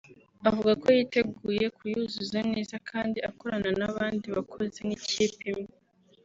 avuga ko yiteguye kuyuzuza neza kandi akorana n’abandi bakozi nk’ikipe imwe